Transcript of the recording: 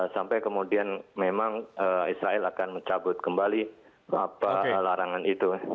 sampai kemudian memang israel akan mencabut kembali larangan itu